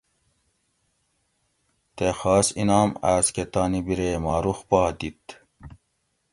تے خاص انعام آۤسکہ تانی بِرے ماہ رخ پا دِیت